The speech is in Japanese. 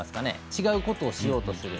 違うことをしようとする。